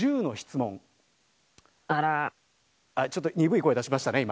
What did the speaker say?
ちょっと鈍い声出しましたね、今。